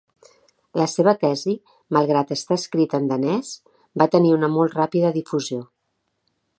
La seva tesi, malgrat estar escrita en danès, va tenir una molt ràpida difusió.